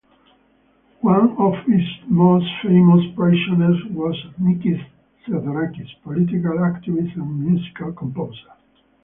One of its most famous prisoners was Mikis Theodorakis, political activist and musical composer.